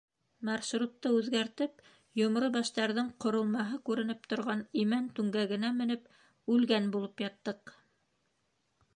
Маршрутты үҙгәртеп, Йомро баштарҙың ҡоролмаһы күренеп торған имән түңгәгенә менеп «үлгән» булып яттыҡ.